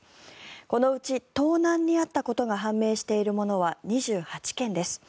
このうち盗難に遭ったことが判明しているものは２８件です。